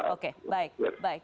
oke baik baik